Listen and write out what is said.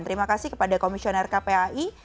terima kasih kepada komisioner kpai